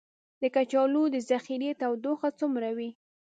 د کچالو د ذخیرې تودوخه څومره وي؟